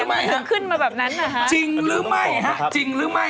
อะไรเนี้ยเค้าเคยขึ้นมาแบบนั้นน่ะคะจริงหรือไม่คะจริงหรือไม่